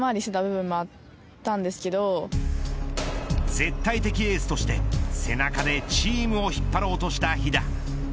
絶対的エースとして背中でチームを引っ張ろうとした飛田。